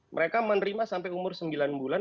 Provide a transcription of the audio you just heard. mereka menerima sampai umur sembilan bulan